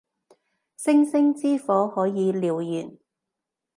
星星之火可以燎原